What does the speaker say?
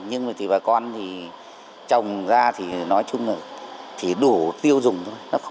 nhưng mà thì bà con thì trồng ra thì nói chung là chỉ đủ tiêu dùng thôi